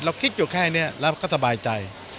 คิดอยู่แค่นี้แล้วก็สบายใจ